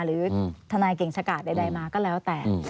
หรือทนายเก่งชะกาดใดมาก็แล้วแต่